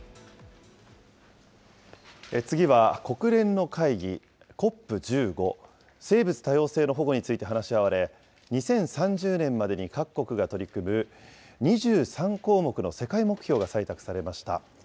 次は、国連の会議、ＣＯＰ１５、生物多様性の保護について話し合われ、２０３０年までに各国が取り組む２３項目の世界目標が採択されました。